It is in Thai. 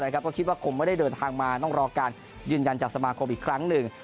ก็คิดว่าคงไม่ได้เดินทางมาต้องรอการยืนยันจากสมาคมอีกครั้งหนึ่ง